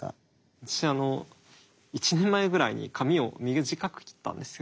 私１年前ぐらいに髪を短く切ったんですよ。